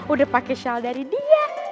udah pake shawl dari dia